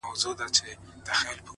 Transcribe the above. هغې ليونۍ بيا د غاړي هار مات کړی دی،